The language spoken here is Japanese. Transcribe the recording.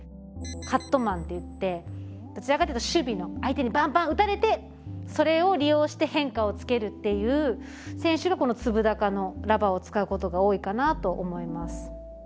カットマンっていってどちらかというと守備の相手にバンバン打たれてそれを利用して変化をつけるっていう選手がこの粒高のラバーを使うことが多いかなと思います。